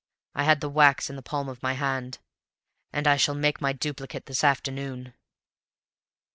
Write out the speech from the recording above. I had the wax in the palm of my hand, and I shall make my duplicate this afternoon."